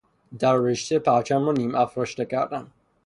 در رژه پرچم را نیمافراشته کردن